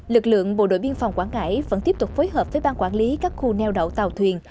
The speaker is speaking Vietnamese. lực lượng bộ đội biên phòng quảng ngãi vẫn tiếp tục phối hợp với ban quản lý các khu neo đậu tàu thuyền